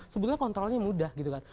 sebetulnya kontrolnya mudah gitu kan